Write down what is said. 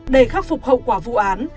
để khắc phục hậu quả vụ án